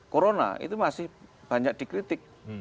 corona itu masih banyak dikritik